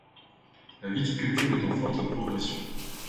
La viticulture est en forte progression.